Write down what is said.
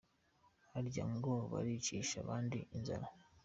Harya ngo baricisha abandi inzara ?